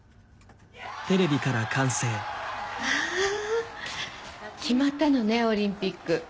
わぁ決まったのねオリンピック。